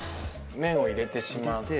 麺を入れてしまって。